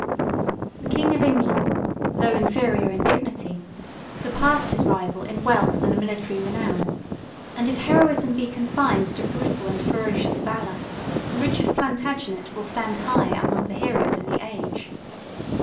The king of England, though inferior in dignity, surpassed his rival in wealth and military renown; 72 and if heroism be confined to brutal and ferocious valor, Richard Plantagenet will stand high among the heroes of the age.